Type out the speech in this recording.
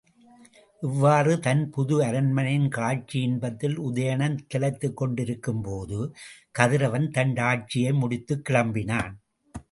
இவ்வாறு தன் புது அரண்மனையின் காட்சியின்பத்தில் உதயணன் திளைத்துக் கொண்டு இருக்கும்போது, கதிரவன் தன்ஆட்சியை முடித்துக் கிளம்பினான்.